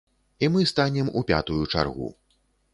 І мы станем у пятую чаргу.